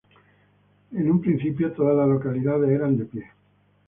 En un principio todas las localidades eran de pie.